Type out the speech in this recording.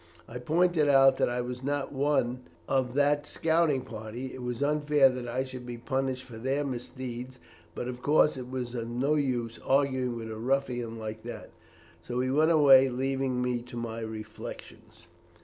I pointed out that as I was not one of that scouting party it was unfair that I should be punished for their misdeeds; but, of course, it was of no use arguing with a ruffian like that, so he went away, leaving me to my reflections.